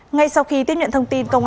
ngay sau khi tiếp nhận thông tin